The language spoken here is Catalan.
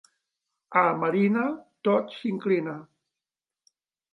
A Marina, tot s'inclina.